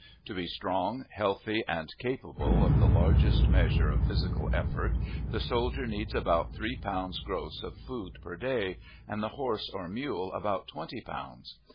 To be strong, healthy, and capable of the largest measure of physical effort, the soldier needs about three pounds gross of food per day, and the horse or mule about twenty pounds.